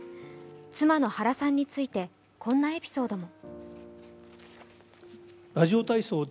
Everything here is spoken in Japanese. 妻の原さんについてこんなエピソードも。